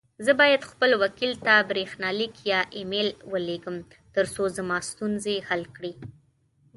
زه بايد خپل وکيل ته بريښناليک يا اى ميل وليږم، ترڅو زما ستونزي حل کړې.